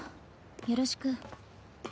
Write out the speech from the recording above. よろしく。